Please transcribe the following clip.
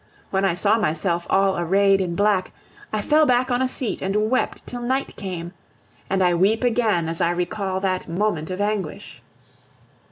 When I saw myself all arrayed in black, I fell back on a seat and wept till night came; and I weep again as I recall that moment of anguish.